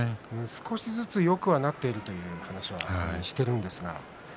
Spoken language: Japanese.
少しずつよくなっているという話はしています。